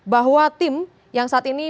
bahwa tim yang saat ini